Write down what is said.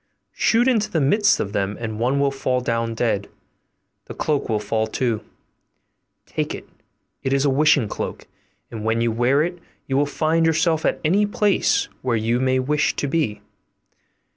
Shoot into the midst of them, and one will fall down dead: the cloak will fall too; take it, it is a wishing cloak, and when you wear it you will find yourself at any place where you may wish to be.